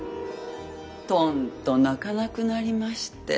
とんと鳴かなくなりまして。